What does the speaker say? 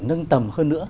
nâng tầm hơn nữa